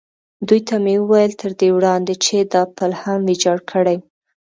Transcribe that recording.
دوی ته مې وویل: تر دې وړاندې چې دا پل هم ویجاړ کړي.